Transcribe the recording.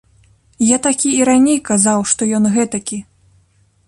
Я такі і раней казаў, што ён гэтакі.